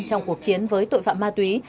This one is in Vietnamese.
trong cuộc chiến với tội phạm ma túy